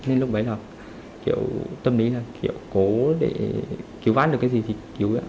nên lúc đấy là kiểu tâm lý là kiểu cố để cứu ván được cái gì thì cứu